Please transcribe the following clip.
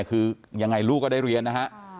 คือยังไงลูกก็ได้เรียนนะฮะ